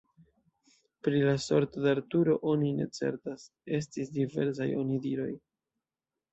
Pri la sorto de Arturo oni ne certas: estis diversaj onidiroj.